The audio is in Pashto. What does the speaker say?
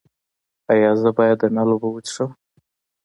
ایا زه باید د نل اوبه وڅښم؟